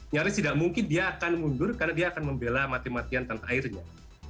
nyaris tidak mungkin dia akan mundur karena dia akan membela mati matian tanpa airnya